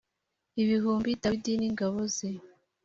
ibihumbi dawidi n ingabo ze